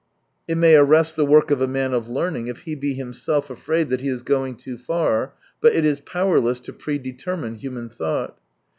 It may arrest the work of a man of learning, if he be him self afraid that he is going too far, but it is powerless to pre determine human thought.